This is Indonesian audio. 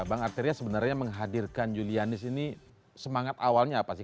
bang arteria sebenarnya menghadirkan julianis ini semangat awalnya apa sih